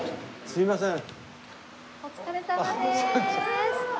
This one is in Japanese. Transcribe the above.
すいません。